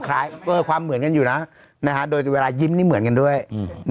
ความคล้ายก็ความเหมือนกันอยู่นะนะฮะโดยเวลายิ้มนี่เหมือนกันด้วยอืม